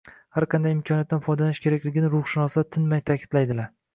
har qanday imkoniyatdan foydalanish kerakligini ruhshunoslar tinmay ta’kidlaydilar.